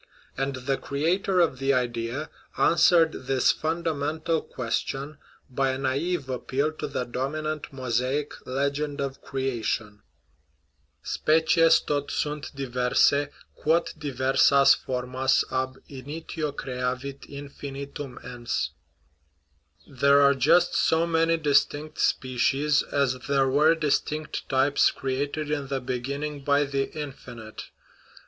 And the creator of the idea answered this fundamental question by a naive appeal to the dominant Mosaic legend of crea tion :" Species tot sunt diver sae, quot diver sas for mas ab initio creavit infinitum ens " (There are just so many distinct species as there were distinct types created in the beginning by the Infinite).